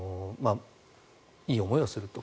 いい思いをすると。